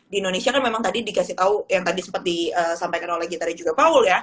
di indonesia kan memang tadi dikasih tau yang tadi sempet disampaikan oleh gita ria juga